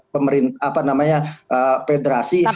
pemerintah apa namanya pederasi harus netral